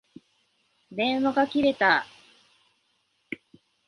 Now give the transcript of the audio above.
電話が切れた。